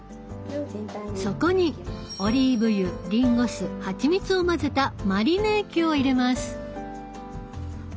そこにオリーブ油りんご酢ハチミツを混ぜたマリネ液を入れます。